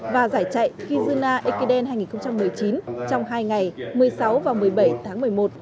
và giải chạy kizuna ekiden hai nghìn một mươi chín trong hai ngày một mươi sáu và một mươi bảy tháng một mươi một